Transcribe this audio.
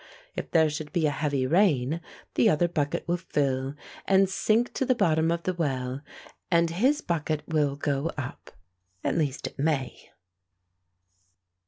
If there should be a heavy rain, the other bucket will fill and sink to the bottom of the well and his bucket will go up — at least it may."